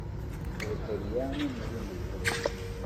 u Butaliyani n’ibindi bihugu